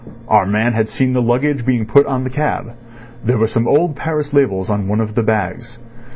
Our man had seen the luggage being put on the cab. There were some old Paris labels on one of the bags.